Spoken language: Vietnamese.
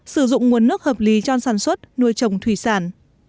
sử dụng nguồn nước hợp lý cho sản xuất nuôi trồng thủy sản